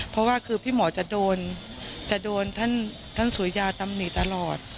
เพราะว่าคือพี่หมอจะโดนจะโดนท่านสุริยาตำหนิตลอด